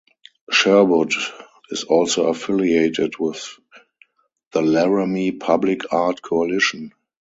Sherwood is also affiliated with the Laramie Public Art Coalition.